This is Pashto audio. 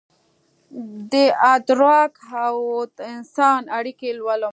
دادراک اودانسان اړیکې لولم